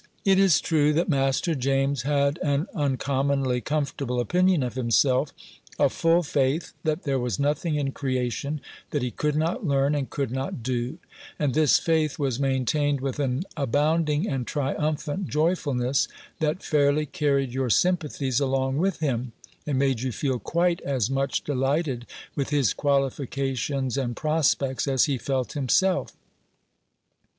It is true that Master James had an uncommonly comfortable opinion of himself, a full faith that there was nothing in creation that he could not learn and could not do; and this faith was maintained with an abounding and triumphant joyfulness, that fairly carried your sympathies along with him, and made you feel quite as much delighted with his qualifications and prospects as he felt himself.